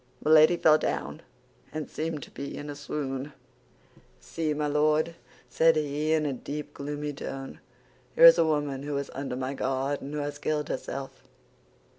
Milady fell down, and seemed to be in a swoon. Felton snatched away the knife. "See, my Lord," said he, in a deep, gloomy tone, "here is a woman who was under my guard, and who has killed herself!"